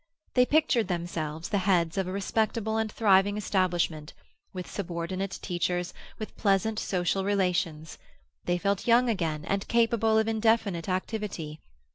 They pictured themselves the heads of a respectable and thriving establishment, with subordinate teachers, with pleasant social relations; they felt young again, and capable of indefinite activity.